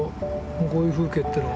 こういう風景っていうのは。